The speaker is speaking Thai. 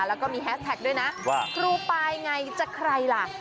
แล้วก็มีแฮสแท็กด้วยนะว่าครูปายไงจะใครล่ะ